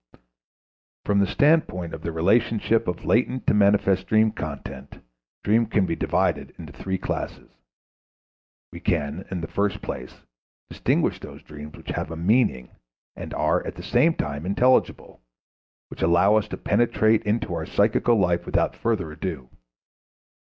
From the standpoint of the relationship of latent to manifest dream content, dreams can be divided into three classes. We can, in the first place, distinguish those dreams which have a meaning and are, at the same time, intelligible, which allow us to penetrate into our psychical life without further ado.